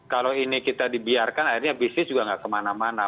kalau ini kita dibiarkan akhirnya bisnis juga nggak kemana mana